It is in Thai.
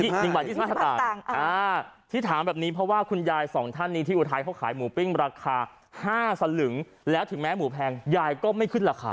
๑บาท๒๕สตางค์ที่ถามแบบนี้เพราะว่าคุณยายสองท่านนี้ที่อุทัยเขาขายหมูปิ้งราคา๕สลึงแล้วถึงแม้หมูแพงยายก็ไม่ขึ้นราคา